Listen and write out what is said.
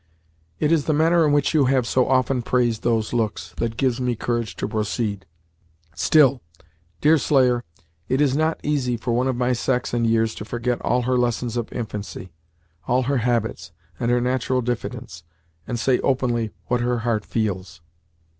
"It is the manner in which you have so often praised those looks, that gives me courage to proceed. Still, Deerslayer, it is not easy for one of my sex and years to forget all her lessons of infancy, all her habits, and her natural diffidence, and say openly what her heart feels!"